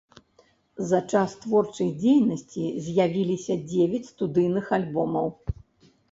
За час творчай дзейнасці з'явіліся дзевяць студыйных альбомаў.